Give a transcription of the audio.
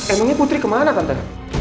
emangnya putri kemana tante